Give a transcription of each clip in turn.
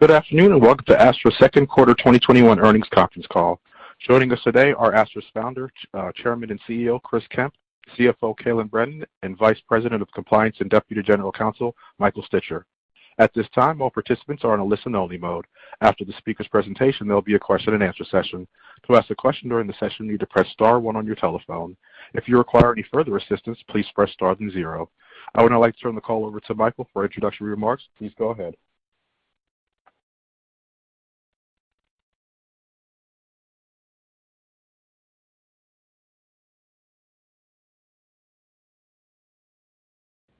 Good afternoon, and welcome to Astra's Q2 2021 earnings conference call. Joining us today are Astra's Founder, Chairman, and CEO, Chris Kemp, CFO, Kelyn Brannon, and Vice President of Compliance and Deputy General Counsel, Michael Stitcher. At this time, all participants are in a listen-only mode. After the speakers' presentation, there'll be a question-and-answer session. To ask a question during the session, you need to press star one on your telephone. If you require any further assistance, please press star then zero. I would now like to turn the call over to Michael for introductory remarks. Please go ahead.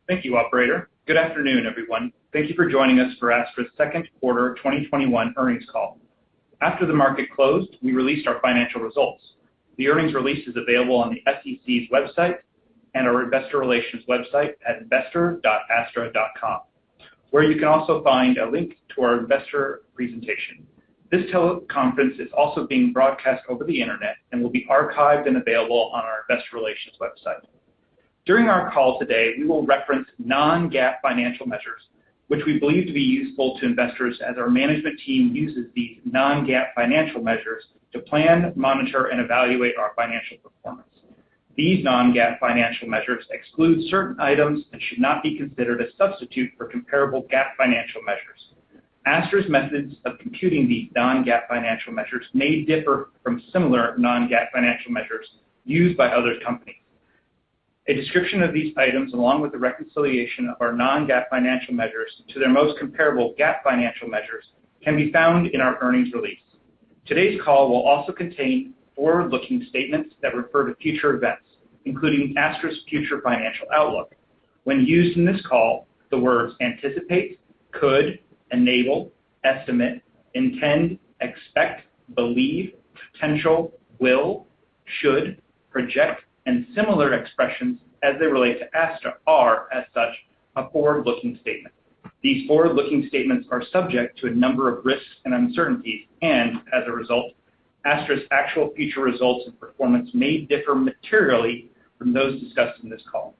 Thank you, operator. Good afternoon, everyone. Thank you for joining us for Astra's Q2 2021 earnings call. After the market closed, we released our financial results. The earnings release is available on the SEC's website and our investor relations website at investor.astra.com, where you can also find a link to our investor presentation. This teleconference is also being broadcast over the internet and will be archived and available on our investor relations website. During our call today, we will reference non-GAAP financial measures, which we believe to be useful to investors as our management team uses these non-GAAP financial measures to plan, monitor, and evaluate our financial performance. These non-GAAP financial measures exclude certain items that should not be considered a substitute for comparable GAAP financial measures. Astra's methods of computing these non-GAAP financial measures may differ from similar non-GAAP financial measures used by other companies. A description of these items, along with the reconciliation of our non-GAAP financial measures to their most comparable GAAP financial measures, can be found in our earnings release. Today's call will also contain forward-looking statements that refer to future events, including Astra's future financial outlook. When used in this call, the words anticipate, could, enable, estimate, intend, expect, believe, potential, will, should, project, and similar expressions as they relate to Astra are, as such, a forward-looking statement. These forward-looking statements are subject to a number of risks and uncertainties, and as a result, Astra's actual future results and performance may differ materially from those discussed in this call.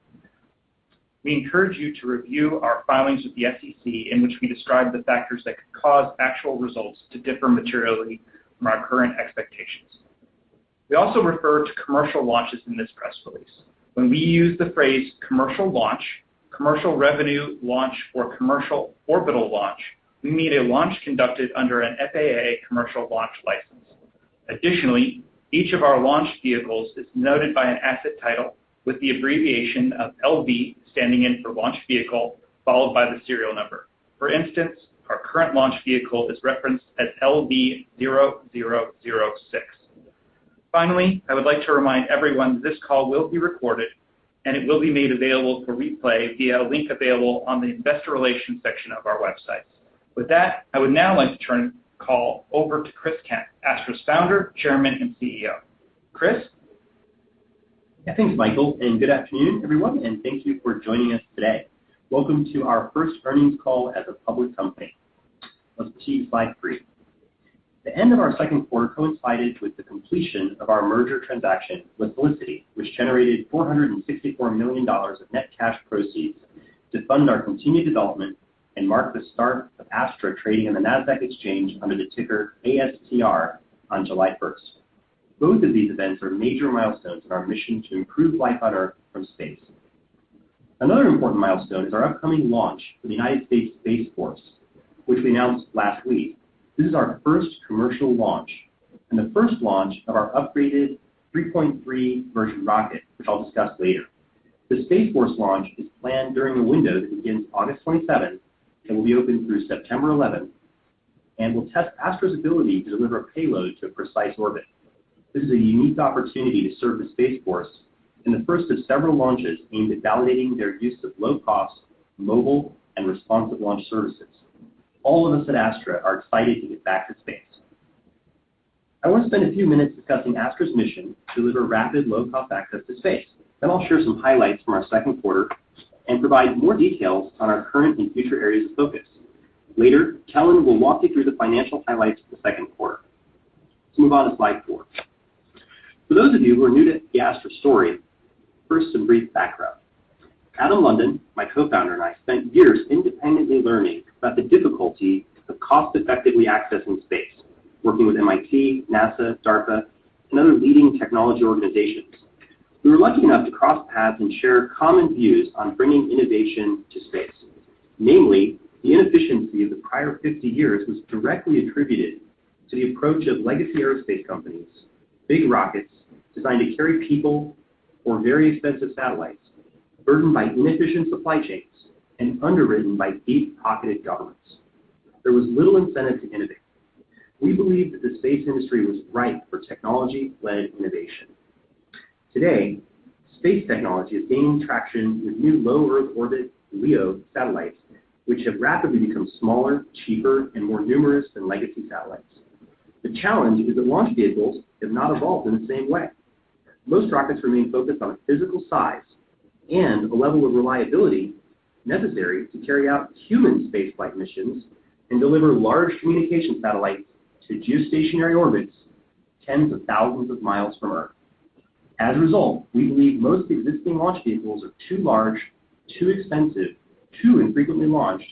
We encourage you to review our filings with the SEC, in which we describe the factors that could cause actual results to differ materially from our current expectations. We also refer to commercial launches in this press release. When we use the phrase commercial launch, commercial revenue launch, or commercial orbital launch, we mean a launch conducted under an FAA commercial launch license. Additionally, each of our launch vehicles is noted by an asset title with the abbreviation of LV, standing in for launch vehicle, followed by the serial number. For instance, our current launch vehicle is referenced as LV0006. Finally, I would like to remind everyone this call will be recorded, and it will be made available for replay via a link available on the investor relations section of our website. With that, I would now like to turn the call over to Chris Kemp, Astra's founder, chairman, and CEO. Chris? Thanks, Michael. Good afternoon, everyone, and thank you for joining us today. Welcome to our first earnings call as a public company. Let's see slide three. The end of our Q2 coincided with the completion of our merger transaction with Holicity, which generated $464 million of net cash proceeds to fund our continued development and mark the start of Astra trading on the Nasdaq exchange under the ticker ASTR on July 1st. Both of these events are major milestones in our mission to improve life on Earth from space. Another important milestone is our upcoming launch for the United States Space Force, which we announced last week. This is our first commercial launch and the first launch of our upgraded Rocket 3.3, which I'll discuss later. The Space Force launch is planned during a window that begins August 27th and will be open through September 11th and will test Astra's ability to deliver a payload to a precise orbit. This is a unique opportunity to serve the Space Force in the first of several launches aimed at validating their use of low-cost, mobile, and responsive launch services. All of us at Astra are excited to get back to space. I want to spend a few minutes discussing Astra's mission to deliver rapid, low-cost access to space. I'll share some highlights from our Q2 and provide more details on our current and future areas of focus. Later, Kelyn will walk you through the financial highlights of the Q2. Let's move on to slide 4. For those of you who are new to the Astra story, first, some brief background. Adam London, my co-founder, and I spent years independently learning about the difficulty of cost-effectively accessing space, working with MIT, NASA, DARPA, and other leading technology organizations. We were lucky enough to cross paths and share common views on bringing innovation to space. Namely, the inefficiency of the prior 50 years was directly attributed to the approach of legacy aerospace companies. Big rockets designed to carry people or very expensive satellites, burdened by inefficient supply chains and underwritten by deep-pocketed governments. There was little incentive to innovate. We believe that the space industry was ripe for technology-led innovation. Today, space technology is gaining traction with new low Earth orbit, LEO, satellites, which have rapidly become smaller, cheaper, and more numerous than legacy satellites. The challenge is that launch vehicles have not evolved in the same way. Most rockets remain focused on physical size and a level of reliability necessary to carry out human spaceflight missions and deliver large communication satellites to geostationary orbits tens of thousands of miles from Earth. As a result, we believe most existing launch vehicles are too large, too expensive, too infrequently launched,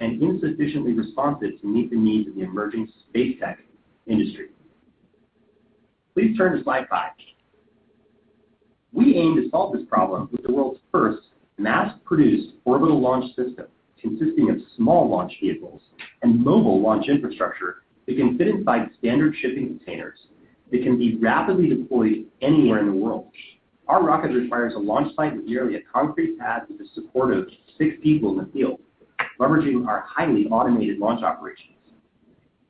and insufficiently responsive to meet the needs of the emerging space tech industry. Please turn to slide five. We aim to solve this problem with the world's first mass-produced orbital launch system, consisting of small launch vehicles and mobile launch infrastructure that can fit inside standard shipping containers that can be rapidly deployed anywhere in the world. Our rocket requires a launch site with merely a concrete pad with the support of six people in the field, leveraging our highly automated launch operations.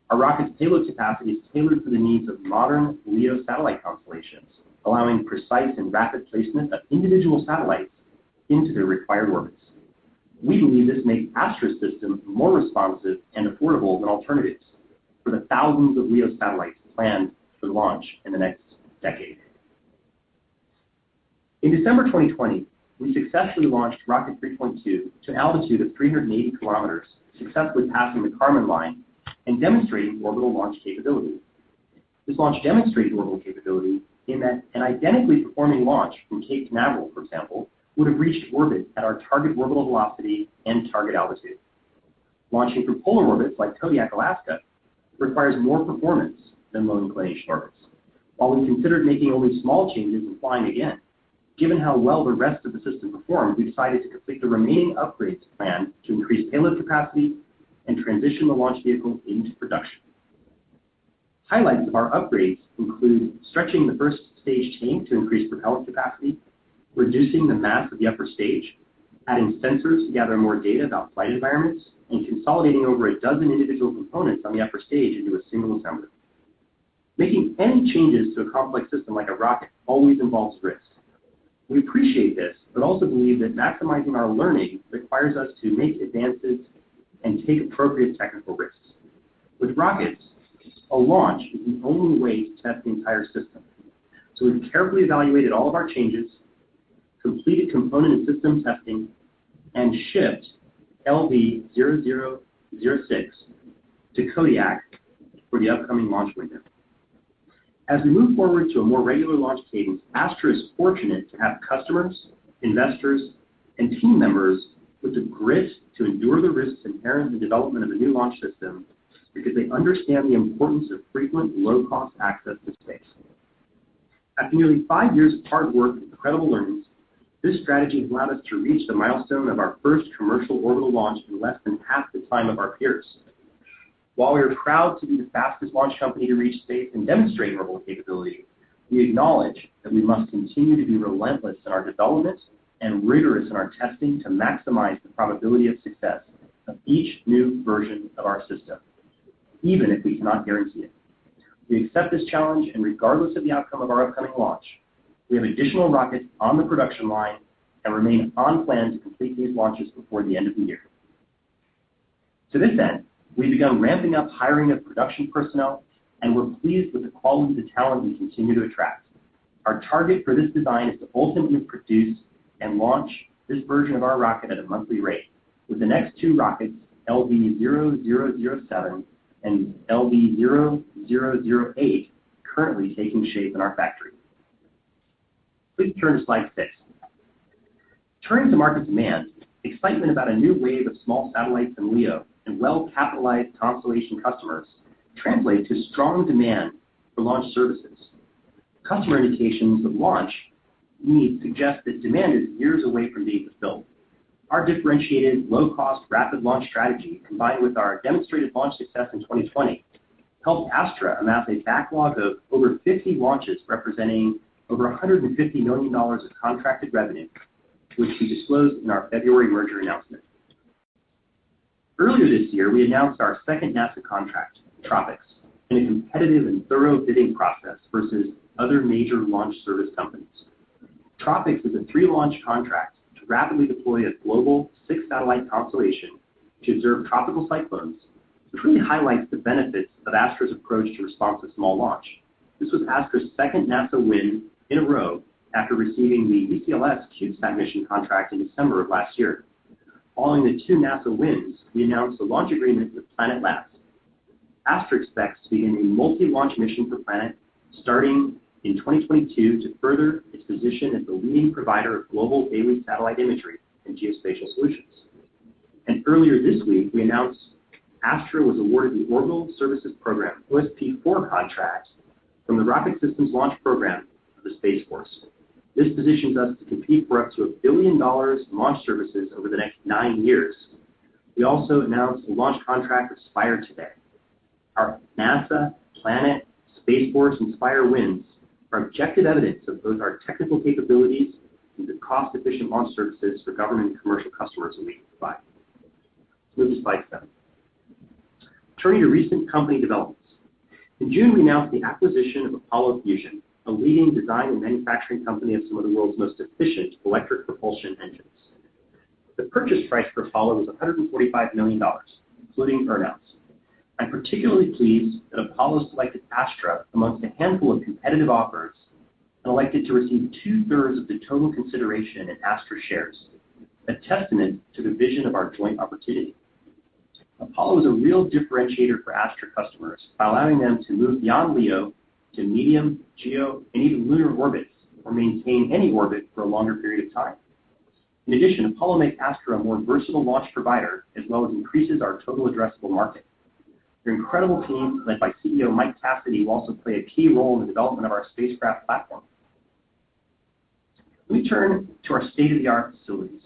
Our rocket's payload capacity is tailored to the needs of modern LEO satellite constellations, allowing precise and rapid placement of individual satellites into their required orbits. We believe this makes Astra's system more responsive and affordable than alternatives for the thousands of LEO satellites planned for launch in the next decade. In December 2020, we successfully launched Rocket 3.2 to an altitude of 380 kilometers, successfully passing the Kármán line and demonstrating orbital launch capability. This launch demonstrated orbital capability in that an identically performing launch from Cape Canaveral, for example, would have reached orbit at our target orbital velocity and target altitude. Launching to polar orbits like Kodiak, Alaska, requires more performance than low inclination orbits. While we considered making only small changes and flying again, given how well the rest of the system performed, we decided to complete the remaining upgrades planned to increase payload capacity and transition the launch vehicle into production. Highlights of our upgrades include stretching the first stage tank to increase propellant capacity, reducing the mass of the upper stage, adding sensors to gather more data about flight environments, and consolidating over a dozen individual components on the upper stage into a single assembly. Making any changes to a complex system like a rocket always involves risk. We appreciate this, but also believe that maximizing our learning requires us to make advances and take appropriate technical risks. With rockets, a launch is the only way to test the entire system. We've carefully evaluated all of our changes, completed component and system testing, and shipped LV0006 to Kodiak for the upcoming launch window. As we move forward to a more regular launch cadence, Astra is fortunate to have customers, investors, and team members with the grit to endure the risks inherent in the development of a new launch system because they understand the importance of frequent, low-cost access to space. After nearly five years of hard work and incredible learnings, this strategy has allowed us to reach the milestone of our first commercial orbital launch in less than half the time of our peers. While we are proud to be the fastest launch company to reach space and demonstrate orbital capability, we acknowledge that we must continue to be relentless in our development and rigorous in our testing to maximize the probability of success of each new version of our system, even if we cannot guarantee it. We accept this challenge, regardless of the outcome of our upcoming launch, we have additional rockets on the production line and remain on plan to complete these launches before the end of the year. To this end, we've begun ramping up hiring of production personnel, and we're pleased with the quality of the talent we continue to attract. Our target for this design is to ultimately produce and launch this version of our rocket at a monthly rate, with the next two rockets, LV0007 and LV0008, currently taking shape in our factory. Please turn to slide six. Turning to market demand, excitement about a new wave of small satellites in LEO and well-capitalized constellation customers translate to strong demand for launch services. Customer indications of launch needs suggest that demand is years away from being fulfilled. Our differentiated, low-cost, rapid launch strategy, combined with our demonstrated launch success in 2020, helped Astra amass a backlog of over 50 launches, representing over $150 million of contracted revenue, which we disclosed in our February merger announcement. Earlier this year, we announced our second NASA contract, TROPICS, in a competitive and thorough bidding process versus other major launch service companies. TROPICS is a three-launch contract to rapidly deploy a global six-satellite constellation to observe tropical cyclones, which really highlights the benefits of Astra's approach to responsive small launch. This was Astra's second NASA win in a row after receiving the ELaNa CubeSat mission contract in December of last year. Following the two NASA wins, we announced a launch agreement with Planet Labs. Astra expects to begin a multi-launch mission for Planet starting in 2022 to further its position as the leading provider of global daily satellite imagery and geospatial solutions. Earlier this week, we announced Astra was awarded the Orbital Services Program, OSP-004 contract from the Rocket Systems Launch Program for the Space Force. This positions us to compete for up to $1 billion in launch services over the next nine years. We also announced a launch contract with Spire today. Our NASA, Planet, Space Force, and Spire wins are objective evidence of both our technical capabilities and the cost-efficient launch services for government and commercial customers that we can provide. Move to slide seven. Turning to recent company developments. In June, we announced the acquisition of Apollo Fusion, a leading design and manufacturing company of some of the world's most efficient electric propulsion engines. The purchase price for Apollo was $145 million, including earn-outs. I'm particularly pleased that Apollo selected Astra amongst a handful of competitive offers and elected to receive two-thirds of the total consideration in Astra shares, a testament to the vision of our joint opportunity. Apollo is a real differentiator for Astra customers by allowing them to move beyond LEO to medium, GEO, and even lunar orbits, or maintain any orbit for a longer period of time. In addition, Apollo makes Astra a more versatile launch provider as well as increases our total addressable market. Their incredible team, led by CEO Mike Cassidy, will also play a key role in the development of our spacecraft platform. We turn to our state-of-the-art facilities.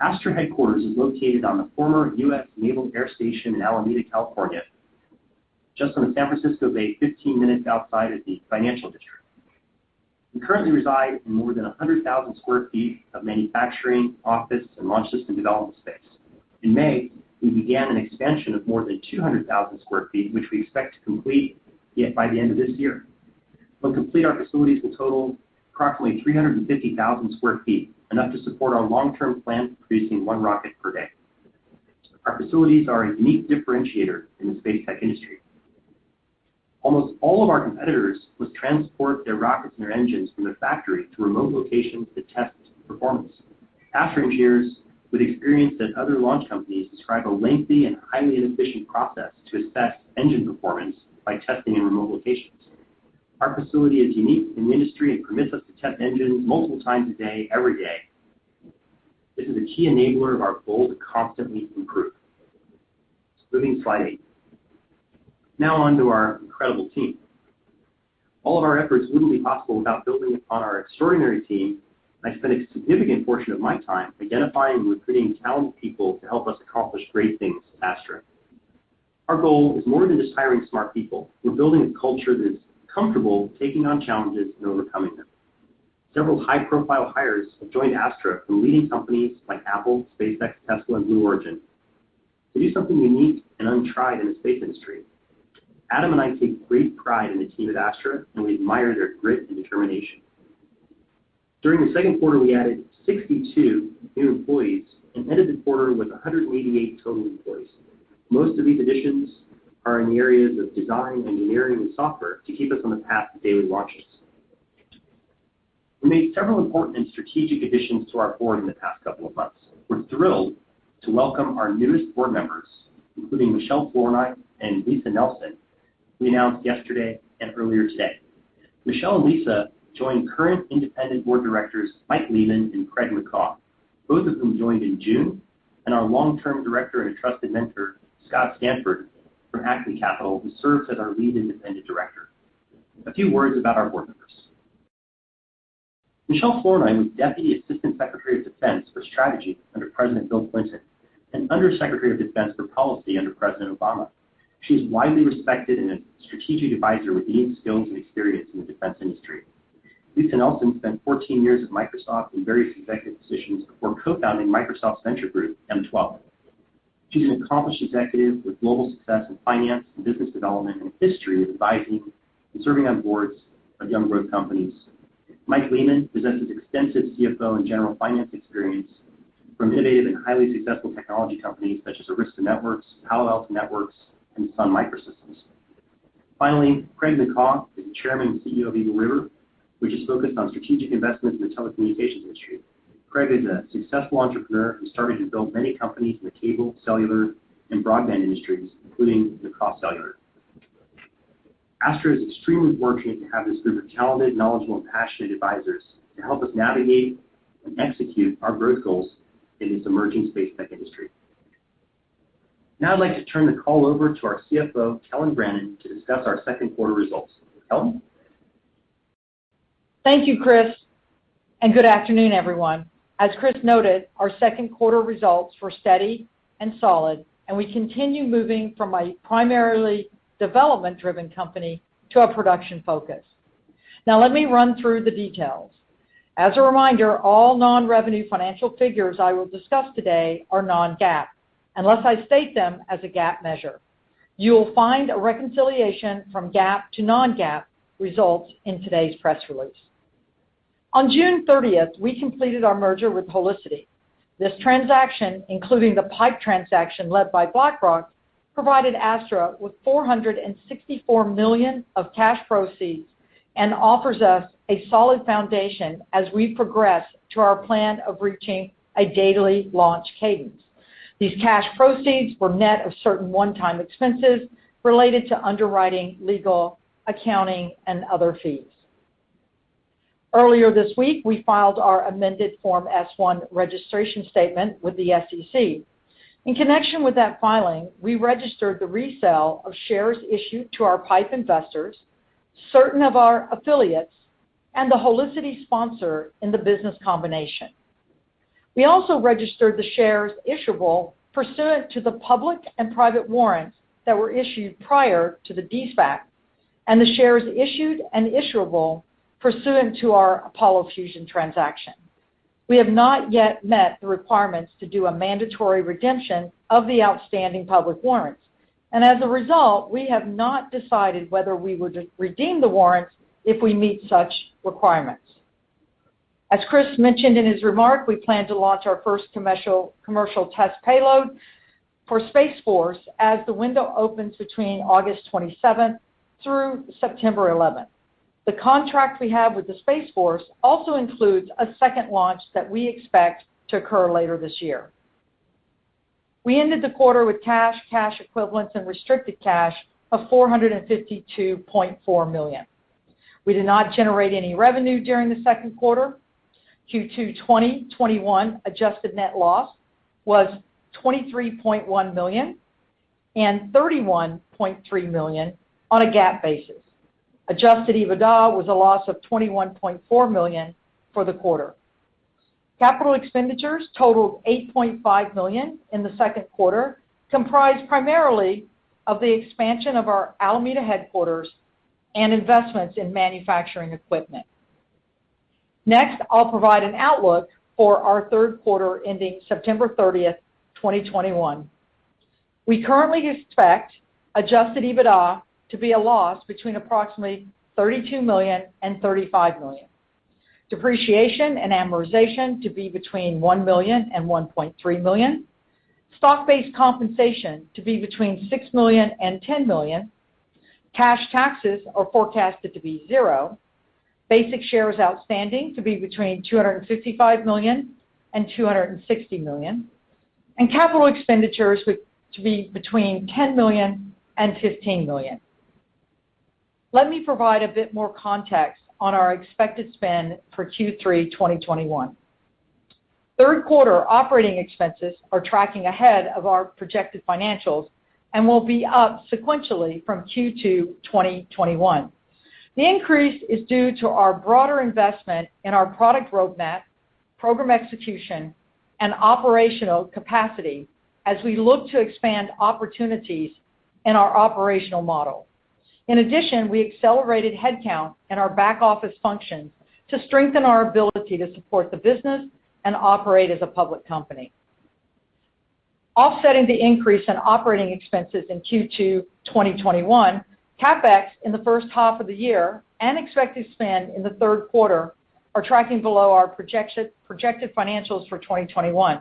Astra headquarters is located on the former U.S. Naval Air Station in Alameda, California, just on the San Francisco Bay, 15 minutes outside of the financial district. We currently reside in more than 100,000 sq ft of manufacturing, office, and launch system development space. In May, we began an expansion of more than 200,000 sq ft, which we expect to complete by the end of this year. When complete, our facilities will total approximately 350,000 sq ft, enough to support our long-term plan of producing one rocket per day. Our facilities are a unique differentiator in the space tech industry. Almost all of our competitors must transport their rockets and their engines from their factory to remote locations to test performance. Astra engineers with experience at other launch companies describe a lengthy and highly inefficient process to assess engine performance by testing in remote locations. Our facility is unique in the industry and permits us to test engines multiple times a day, every day. This is a key enabler of our goal to constantly improve. Moving to slide eight. Now on to our incredible team. All of our efforts wouldn't be possible without building upon our extraordinary team. I spend a significant portion of my time identifying and recruiting talented people to help us accomplish great things at Astra. Our goal is more than just hiring smart people. We're building a culture that is comfortable taking on challenges and overcoming them. Several high-profile hires have joined Astra from leading companies like Apple, SpaceX, Tesla, and Blue Origin. They do something unique and untried in the space industry. Adam and I take great pride in the team at Astra, and we admire their grit and determination. During the Q2, we added 62 new employees and ended the quarter with 188 total employees. Most of these additions are in the areas of design, engineering, and software to keep us on the path to daily launches. We made several important and strategic additions to our board in the past couple of months. We're thrilled to welcome our newest board members, including Michèle Flournoy and Lisa Nelson, we announced yesterday and earlier today. Michèle and Lisa join current independent board directors Michael Lehman and Craig McCaw, both of whom joined in June, and our long-term director and trusted mentor, Scott Stanford from ACME Capital, who serves as our lead independent director. A few words about our board members. Michèle Flournoy was Deputy Assistant Secretary of Defense for Strategy under President Bill Clinton and Under Secretary of Defense for Policy under President Obama. She is widely respected and a strategic advisor with unique skills and experience in the defense industry. Lisa Nelson spent 14 years at Microsoft in various executive positions before co-founding Microsoft's venture group, M12. She's an accomplished executive with global success in finance and business development and a history of advising and serving on boards of young growth companies. Michael Lehman possesses extensive CFO and general finance experience from innovative and highly successful technology companies such as Arista Networks, Palo Alto Networks, and Sun Microsystems. Finally, Craig McCaw is the Chairman and CEO of Eagle River, which is focused on strategic investments in the telecommunications industry. Craig is a successful entrepreneur who started and built many companies in the cable, cellular, and broadband industries, including McCaw Cellular. Astra is extremely fortunate to have this group of talented, knowledgeable, and passionate advisors to help us navigate and execute our growth goals in this emerging space tech industry. I'd like to turn the call over to our CFO, Kelyn Brannon, to discuss our Q2 results. Kelyn? Thank you, Chris. Good afternoon, everyone. As Chris noted, our Q2 results were steady and solid, and we continue moving from a primarily development-driven company to a production focus. Now let me run through the details. As a reminder, all non-revenue financial figures I will discuss today are non-GAAP, unless I state them as a GAAP measure. You will find a reconciliation from GAAP to non-GAAP results in today's press release. On June 30th, we completed our merger with Holicity. This transaction, including the PIPE transaction led by BlackRock, provided Astra with $464 million of cash proceeds and offers us a solid foundation as we progress to our plan of reaching a daily launch cadence. These cash proceeds were net of certain one-time expenses related to underwriting, legal, accounting, and other fees. Earlier this week, we filed our amended Form S-1 registration statement with the SEC. In connection with that filing, we registered the resale of shares issued to our PIPE investors, certain of our affiliates, and the Holicity sponsor in the business combination. We also registered the shares issuable pursuant to the public and private warrants that were issued prior to the de-SPAC, and the shares issued and issuable pursuant to our Apollo Fusion transaction. We have not yet met the requirements to do a mandatory redemption of the outstanding public warrants. As a result, we have not decided whether we will redeem the warrants if we meet such requirements. As Chris mentioned in his remarks, we plan to launch our first commercial test payload for Space Force as the window opens between August 27th through September 11th. The contract we have with the Space Force also includes a second launch that we expect to occur later this year. We ended the quarter with cash equivalents, and restricted cash of $452.4 million. We did not generate any revenue during the Q2. Q2 2021 adjusted net loss was $23.1 million and $31.3 million on a GAAP basis. Adjusted EBITDA was a loss of $21.4 million for the quarter. Capital expenditures totaled $8.5 million in the Q2, comprised primarily of the expansion of our Alameda headquarters and investments in manufacturing equipment. I'll provide an outlook for our Q3 ending September 30, 2021. We currently expect adjusted EBITDA to be a loss between approximately $32 million and $35 million. Depreciation and amortization to be between $1 million and $1.3 million. Stock-based compensation to be between $6 million and $10 million. Cash taxes are forecasted to be $0. Basic shares outstanding to be between $255 million and $260 million, and capital expenditures to be between $10 million and $15 million. Let me provide a bit more context on our expected spend for Q3 2021. Q3 operating expenses are tracking ahead of our projected financials and will be up sequentially from Q2 2021. The increase is due to our broader investment in our product roadmap, program execution, and operational capacity as we look to expand opportunities in our operational model. In addition, we accelerated headcount in our back office function to strengthen our ability to support the business and operate as a public company. Offsetting the increase in operating expenses in Q2 2021, CapEx in the H1 of the year and expected spend in the Q3 are tracking below our projected financials for 2021.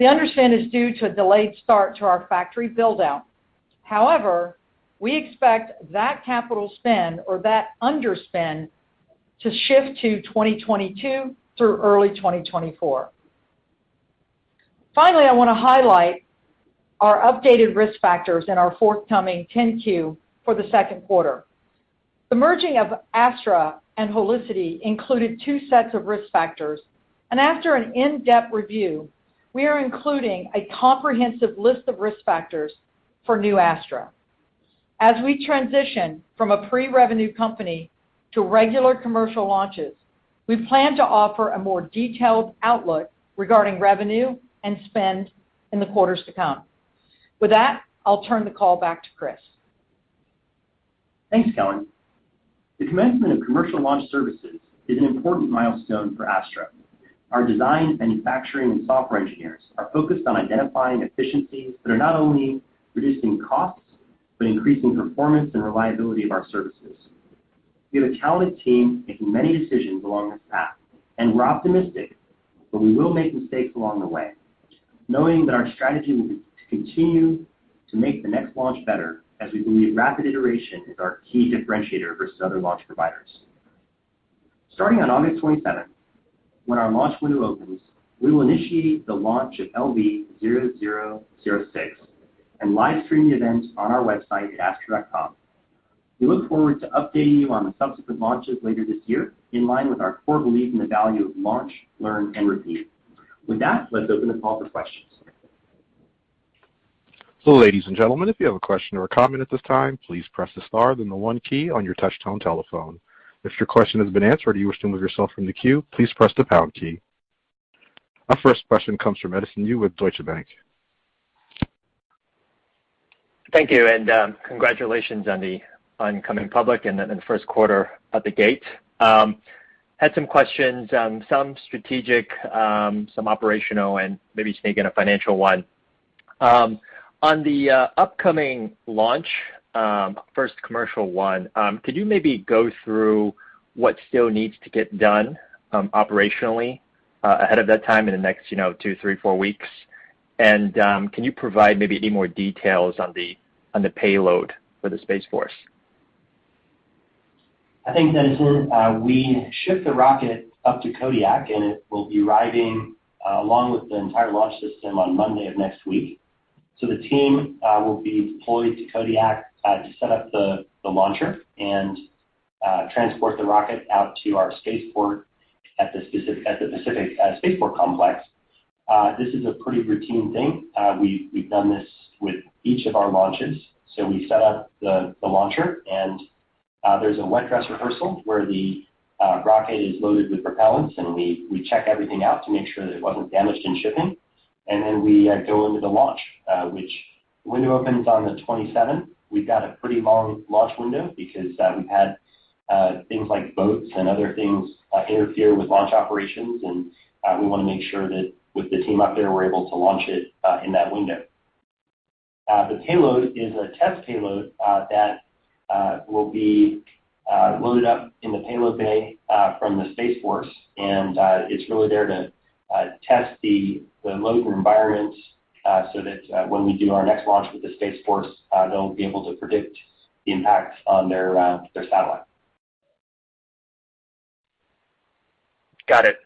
The underspend is due to a delayed start to our factory build-out. We expect that capital spend or that underspend to shift to 2022 through early 2024. I want to highlight our updated risk factors in our forthcoming 10-Q for the Q2. The merging of Astra and Holicity included two sets of risk factors, and after an in-depth review, we are including a comprehensive list of risk factors for new Astra. As we transition from a pre-revenue company to regular commercial launches, we plan to offer a more detailed outlook regarding revenue and spend in the quarters to come. With that, I'll turn the call back to Chris. Thanks, Kelyn. The commencement of commercial launch services is an important milestone for Astra. Our design, manufacturing, and software engineers are focused on identifying efficiencies that are not only reducing costs, but increasing performance and reliability of our services. We have a talented team making many decisions along this path, and we're optimistic that we will make mistakes along the way, knowing that our strategy will be to continue to make the next launch better, as we believe rapid iteration is our key differentiator versus other launch providers. Starting on August 27th, when our launch window opens, we will initiate the launch of LV0006 and live stream the event on our website at astra.com. We look forward to updating you on the subsequent launches later this year, in line with our core belief in the value of launch, learn, and repeat. With that, let's open the call for questions. Ladies and gentlemen, if you have a question or a comment at this time, please press the star then the one key on your touch tone telephone. If your question has been answered or you wish to remove yourself from the queue, please press the pound key. Our first question comes from Edison Yu with Deutsche Bank. Thank you, and congratulations on coming public and the Q1 out the gate. Had some questions, some strategic, some operational, and maybe sneak in a financial one. On the upcoming launch, first commercial one, could you maybe go through what still needs to get done operationally, ahead of that time in the next two, three, four weeks? Can you provide maybe any more details on the payload for the Space Force? I think, Edison, we shift the rocket up to Kodiak. It will be riding along with the entire launch system on Monday of next week. The team will be deployed to Kodiak to set up the launcher and transport the rocket out to our spaceport at the Pacific Spaceport Complex. This is a pretty routine thing. We've done this with each of our launches. We set up the launcher, and there's a wet dress rehearsal where the rocket is loaded with propellants, and we check everything out to make sure that it wasn't damaged in shipping. We go into the launch, which window opens on the 27th. We've got a pretty long launch window because we've had things like boats and other things interfere with launch operations, and we want to make sure that with the team up there, we're able to launch it in that window. The payload is a test payload that will be loaded up in the payload bay from the Space Force. It's really there to test the local environments so that when we do our next launch with the Space Force, they'll be able to predict the impact on their satellite. Got it.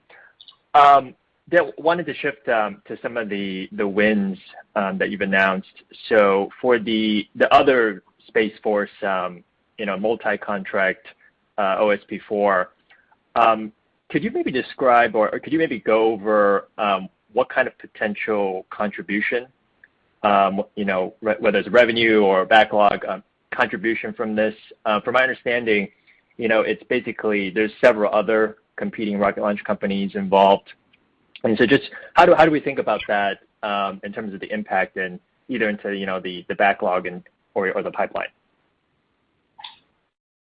Wanted to shift to some of the wins that you've announced. For the other Space Force multi-contract OSP-4, could you maybe describe or could you maybe go over what kind of potential contribution, whether it's revenue or backlog contribution from this? From my understanding, it's basically there's several other competing rocket launch companies involved. Just how do we think about that in terms of the impact and either into the backlog or the pipeline?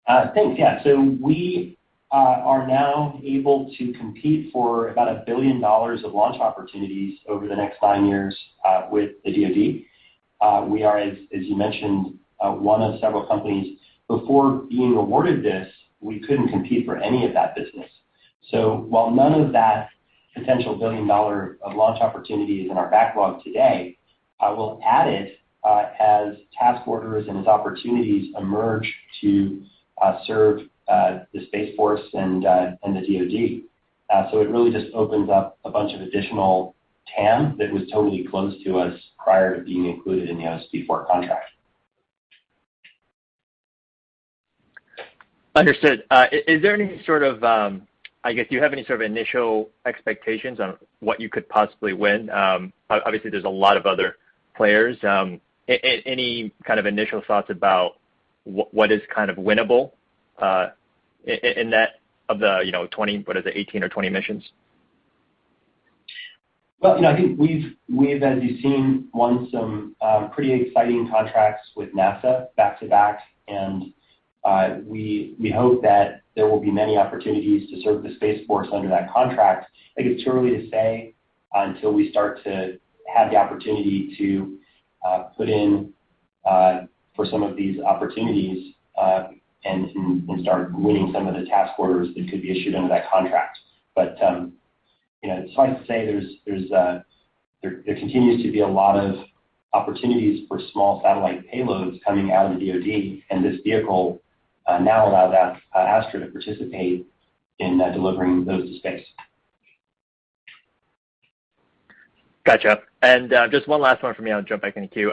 Thanks. Yeah. We are now able to compete for about $1 billion of launch opportunities over the next nine years with the DoD. We are, as you mentioned, one of several companies. Before being awarded this, we couldn't compete for any of that business. While none of that potential $1 billion of launch opportunity is in our backlog today, we'll add it as task orders and as opportunities emerge to serve the Space Force and the DoD. It really just opens up a bunch of additional TAM that was totally closed to us prior to being included in the OSP-4 contract. Understood. Do you have any sort of initial expectations on what you could possibly win? Obviously, there's a lot of other players. Any kind of initial thoughts about what is winnable in that of the 18 or 20 missions? Well, I think we've, as you've seen, won some pretty exciting contracts with NASA back to back, and we hope that there will be many opportunities to serve the Space Force under that contract. I think it's too early to say until we start to have the opportunity to put in for some of these opportunities and start winning some of the task orders that could be issued under that contract. It's hard to say. There continues to be a lot of opportunities for small satellite payloads coming out of the DoD, and this vehicle now allows Astra to participate in delivering those to space. Gotcha. Just one last one from me, I'll jump back in the queue.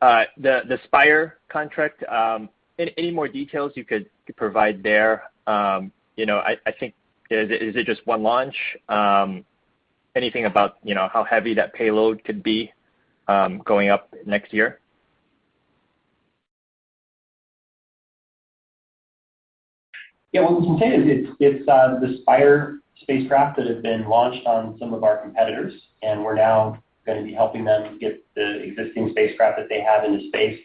The Spire contract, any more details you could provide there? Is it just one launch? Anything about how heavy that payload could be going up next year? Yeah. What we can say is it's the Spire spacecraft that have been launched on some of our competitors, and we're now going to be helping them get the existing spacecraft that they have into space.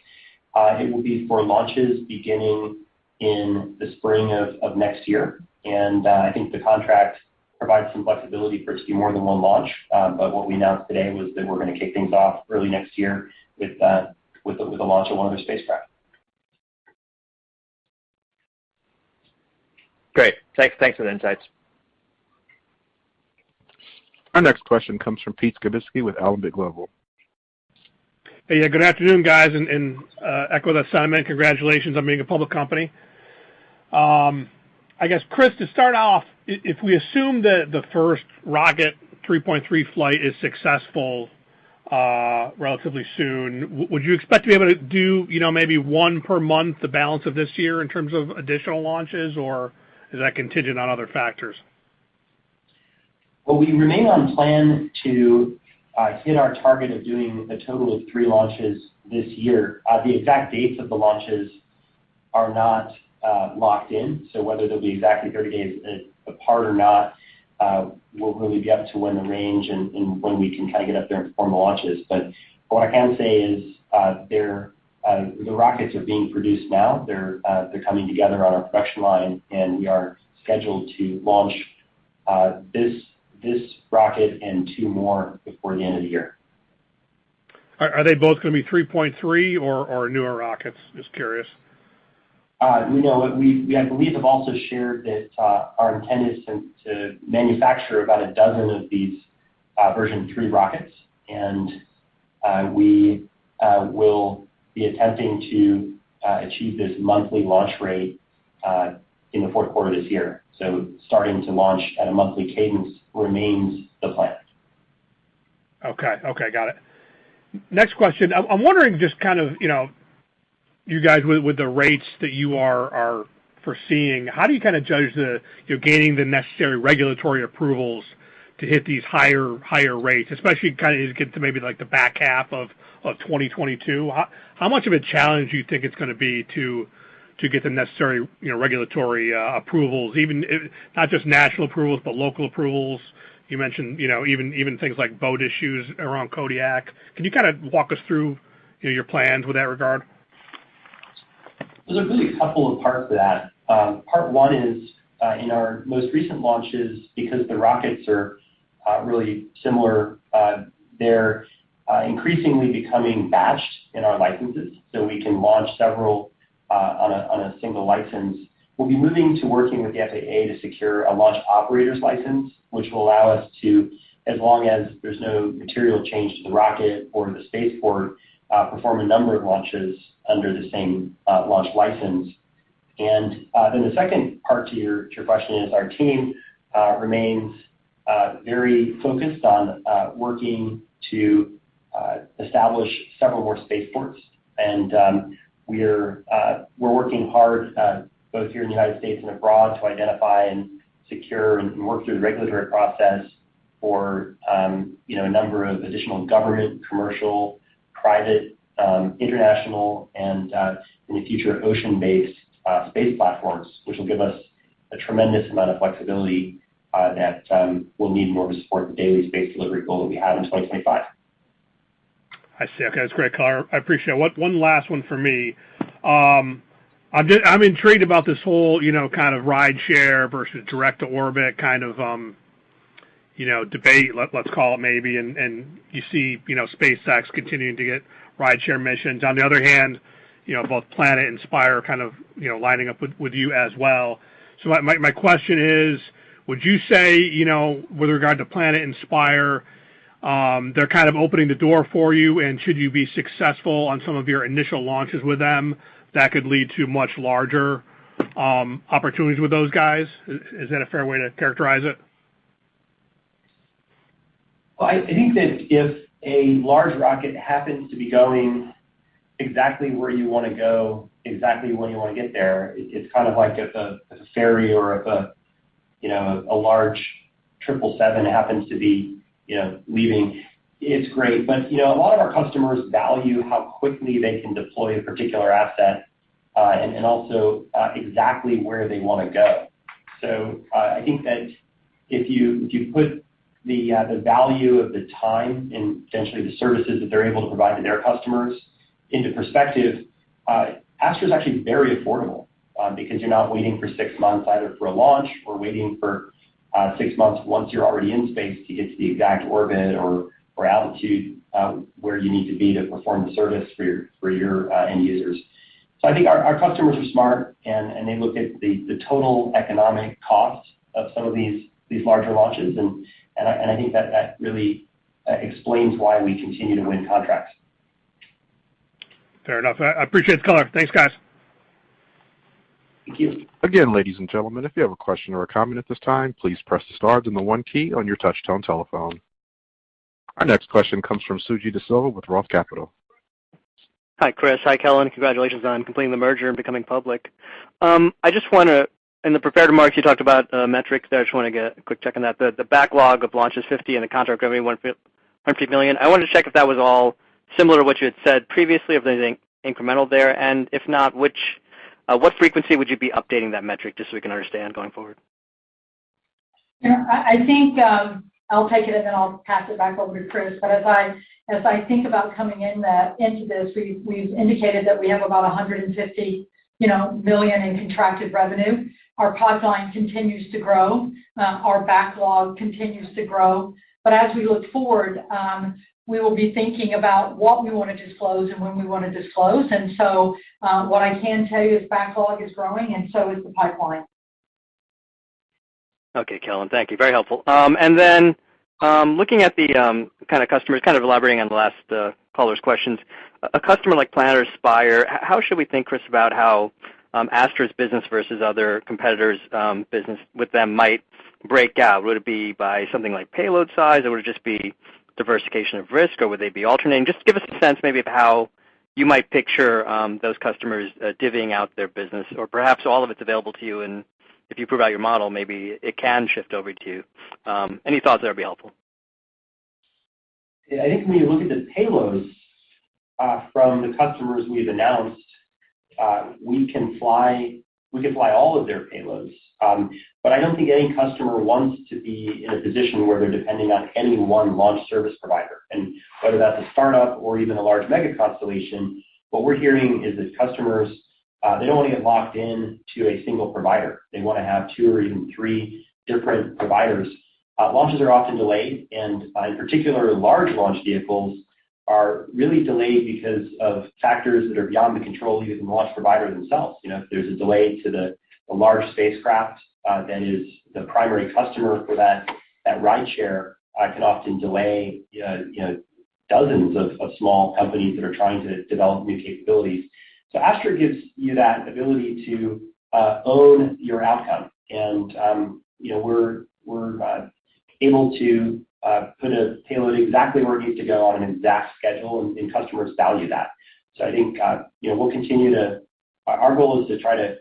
It will be for launches beginning in the spring of next year. I think the contract provides some flexibility for it to be more than one launch. What we announced today was that we're going to kick things off early next year with the launch of one of their spacecraft. Great. Thanks for the insights. Our next question comes from Pete Skibitski with Alembic Global. Hey, good afternoon, guys. Echo the sentiment, congratulations on being a public company. I guess, Chris, to start off, if we assume that the first Rocket 3.3 flight is successful relatively soon, would you expect to be able to do maybe one per month the balance of this year in terms of additional launches, or is that contingent on other factors? Well, we remain on plan to hit our target of doing a total of three launches this year. Whether they'll be exactly 30 days apart or not will really be up to when the range and when we can get up there and perform the launches. What I can say is the rockets are being produced now. They're coming together on our production line. We are scheduled to launch this rocket and two more before the end of the year. Are they both going to be 3.3 or newer rockets? Just curious. We know. We, I believe, have also shared that our intent is to manufacture about 12 of these version three rockets. We will be attempting to achieve this monthly launch rate in the Q4 of this year. Starting to launch at a monthly cadence remains the plan. Okay. Got it. Next question. I'm wondering just kind of you guys with the rates that you are foreseeing, how do you kind of judge the gaining the necessary regulatory approvals to hit these higher rates, especially as you get to maybe like the back half of 2022? How much of a challenge do you think it's going to be to get the necessary regulatory approvals, not just national approvals, but local approvals? You mentioned even things like boat issues around Kodiak. Can you kind of walk us through your plans with that regard? There's really a couple of parts to that. Part one is, in our most recent launches, because the rockets are really similar, they're increasingly becoming batched in our licenses. We can launch several on a single license. We'll be moving to working with the FAA to secure a launch operator's license, which will allow us to, as long as there's no material change to the rocket or the space port, perform a number of launches under the same launch license. The second part to your question is our team remains very focused on working to establish several more space ports. We're working hard both here in the United States and abroad to identify and secure and work through the regulatory process for a number of additional government, commercial, private, international, and in the future, ocean-based space platforms, which will give us a tremendous amount of flexibility that we'll need in order to support the daily space delivery goal that we have in 2025. I see. Okay. That's great, Kemp. I appreciate it. One last one from me. I'm intrigued about this whole kind of rideshare versus direct-to-orbit kind of debate, let's call it, maybe. You see SpaceX continuing to get rideshare missions. On the other hand, both Planet and Spire kind of lining up with you as well. My question is, would you say with regard to Planet and Spire, they're kind of opening the door for you, and should you be successful on some of your initial launches with them, that could lead to much larger opportunities with those guys? Is that a fair way to characterize it? Well, I think that if a large rocket happens to be going exactly where you want to go, exactly when you want to get there, it's kind of like if a ferry or if a large triple seven happens to be leaving, it's great. A lot of our customers value how quickly they can deploy a particular asset, and also exactly where they want to go. I think that if you put the value of the time and potentially the services that they're able to provide to their customers into perspective, Astra's actually very affordable because you're not waiting for six months either for a launch or waiting for 6 months once you're already in space to get to the exact orbit or altitude where you need to be to perform the service for your end users. I think our customers are smart, and they look at the total economic cost of some of these larger launches. I think that really explains why we continue to win contracts. Fair enough. I appreciate the color. Thanks, guys. Thank you. Again, ladies and gentlemen, if you have a question or a comment at this time, please press the star then the one key on your touchtone telephone. Our next question comes from Suji Desilva with Roth Capital. Hi, Chris. Hi, Kelyn. Congratulations on completing the merger and becoming public. In the prepared remarks, you talked about metrics there. I just want to get a quick check on that. The backlog of launch is 50 and the contract revenue $150 million. I wanted to check if that was all similar to what you had said previously, if there's anything incremental there, and if not, what frequency would you be updating that metric just so we can understand going forward? I think I'll take it and then I'll pass it back over to Chris. As I think about coming into this, we've indicated that we have about $150 million in contracted revenue. Our pipeline continues to grow. Our backlog continues to grow. As we look forward, we will be thinking about what we want to disclose and when we want to disclose. What I can tell you is backlog is growing and so is the pipeline. Okay, Kelyn. Thank you. Very helpful. Looking at the kind of customers, kind of elaborating on the last caller's questions. A customer like Planet or Spire, how should we think, Chris, about how Astra's business versus other competitors' business with them might break out? Would it be by something like payload size, or would it just be diversification of risk, or would they be alternating? Just give us a sense maybe of how you might picture those customers divvying out their business, or perhaps all of its available to you, and if you prove out your model, maybe it can shift over to you. Any thoughts there would be helpful. I think when you look at the payloads from the customers we've announced, we can fly all of their payloads. I don't think any customer wants to be in a position where they're depending on any 1 launch service provider. Whether that's a startup or even a large mega constellation, what we're hearing is that customers, they don't want to get locked into a single provider. They want to have two or even three different providers. Launches are often delayed, and in particular, large launch vehicles are really delayed because of factors that are beyond the control of even the launch provider themselves. If there's a delay to the large spacecraft that is the primary customer for that rideshare, it can often delay dozens of small companies that are trying to develop new capabilities. Astra gives you that ability to own your outcome. We're able to put a payload exactly where it needs to go on an exact schedule, and customers value that. Our goal is to try to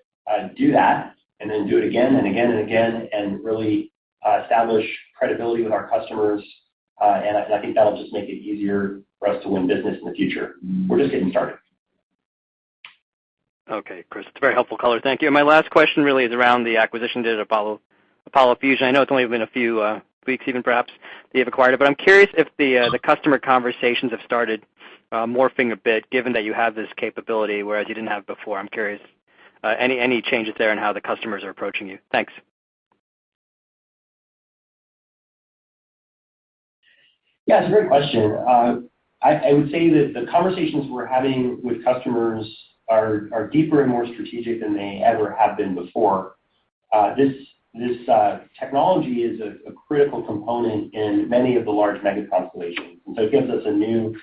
do that and then do it again and again and again and really establish credibility with our customers. I think that'll just make it easier for us to win business in the future. We're just getting started. Okay, Chris. It's a very helpful color. Thank you. My last question really is around the acquisition to Apollo Fusion. I know it's only been a few weeks even perhaps that you've acquired it, but I'm curious if the customer conversations have started morphing a bit given that you have this capability, whereas you didn't have before. I'm curious. Any changes there in how the customers are approaching you? Thanks. Yeah, it's a great question. I would say that the conversations we're having with customers are deeper and more strategic than they ever have been before. This technology is a critical component in many of the large mega constellations. It gives us a new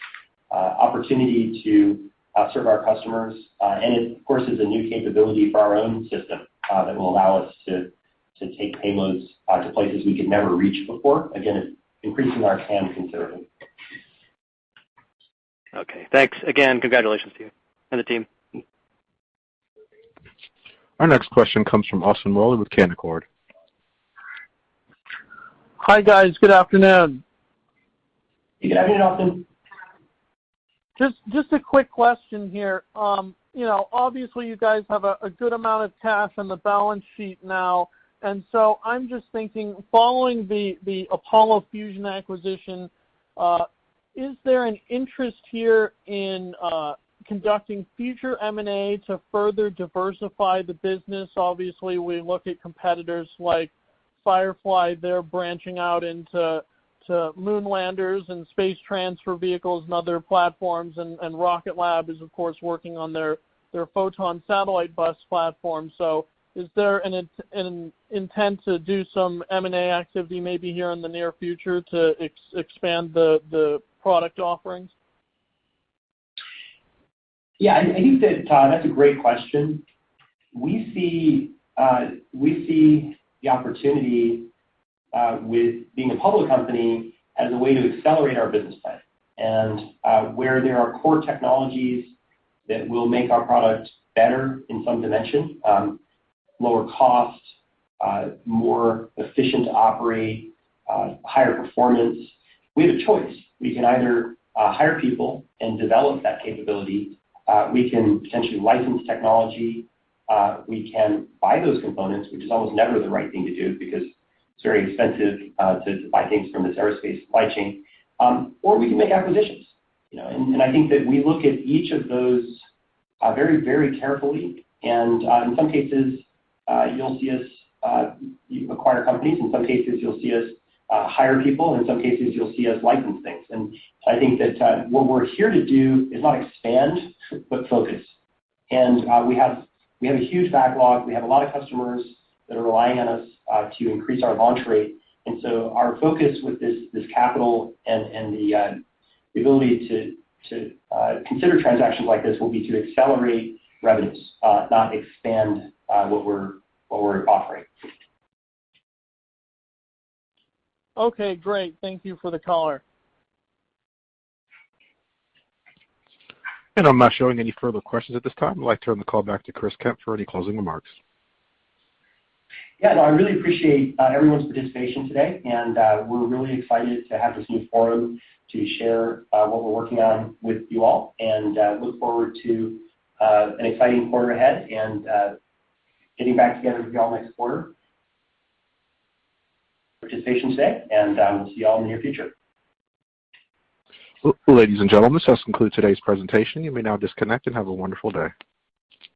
opportunity to serve our customers. It, of course, is a new capability for our own system, that will allow us to take payloads out to places we could never reach before. Again, it's increasing our TAM considerably. Okay, thanks. Again, congratulations to you and the team. Our next question comes from Austin Moeller with Canaccord. Hi, guys. Good afternoon. Good afternoon, Austin. Just a quick question here. Obviously, you guys have a good amount of cash on the balance sheet now, and so I'm just thinking, following the Apollo Fusion acquisition, is there an interest here in conducting future M&A to further diversify the business? Obviously, we look at competitors like Firefly. They're branching out into moon landers and space transfer vehicles and other platforms, and Rocket Lab is, of course, working on their Photon satellite bus platform. Is there an intent to do some M&A activity maybe here in the near future to expand the product offerings? Yeah. I think that's a great question. We see the opportunity with being a public company as a way to accelerate our business plan. Where there are core technologies that will make our product better in some dimension, lower cost, more efficient to operate, higher performance, we have a choice. We can either hire people and develop that capability, we can potentially license technology, we can buy those components, which is almost never the right thing to do because it's very expensive to buy things from this aerospace supply chain, or we can make acquisitions. I think that we look at each of those very carefully, and in some cases, you'll see us acquire companies, in some cases, you'll see us hire people, and in some cases, you'll see us license things. I think that what we're here to do is not expand, but focus. We have a huge backlog. We have a lot of customers that are relying on us to increase our launch rate. Our focus with this capital and the ability to consider transactions like this will be to accelerate revenues, not expand what we're offering. Okay, great. Thank you for the color. I'm not showing any further questions at this time. I'd like to turn the call back to Chris Kemp for any closing remarks. Yeah, no, I really appreciate everyone's participation today, and we're really excited to have this new forum to share what we're working on with you all and look forward to an exciting quarter ahead and getting back together with you all next quarter. Participation today, and we'll see you all in the near future. Ladies and gentlemen, this does conclude today's presentation. You may now disconnect and have a wonderful day.